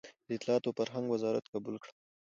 د اطلاعاتو او فرهنګ وزارت قبول کړم.